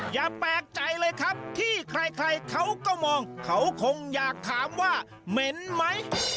อย่าแปลกใจเลยครับที่ใครเขาก็มองเขาคงอยากถามว่าเหม็นไหม